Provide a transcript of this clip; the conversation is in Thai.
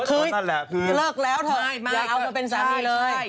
คือเลิกแล้วเถอะมาเอามาเป็นสามีเลย